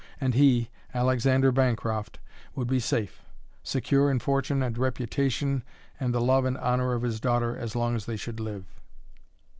And he Alexander Bancroft would be safe secure in fortune and reputation and the love and honor of his daughter as long as they should live.